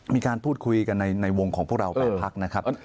มีการพูดคุยกันในวงของพวกเรา๘พักนะครับ